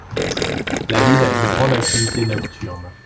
La ville a une grande activité nocturne.